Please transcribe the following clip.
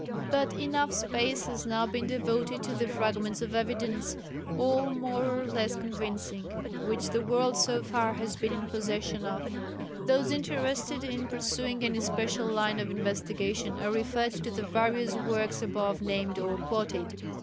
But enough space has now been devoted to the fragments of evidence all more or less convincing which the world so far has been in possession of. Those interested in pursuing any special line of investigation are referred to the various works above named or quoted.